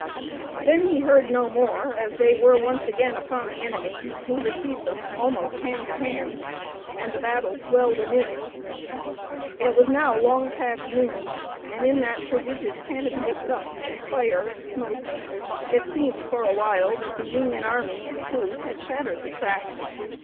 Then he heard no more, as they were once again upon the enemy who received them almost hand to hand, and the battle swelled anew. It was now long past noon, and in that prodigious canopy of dust and fire and smoke it seemed for a while that the Union army in truth had shattered the trap.